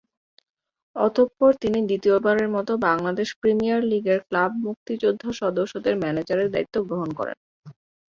অতঃপর তিনি দ্বিতীয়বারের মতো বাংলাদেশ প্রিমিয়ার লীগের ক্লাব মুক্তিযোদ্ধা সংসদের ম্যানেজারের দায়িত্ব গ্রহণ করেন।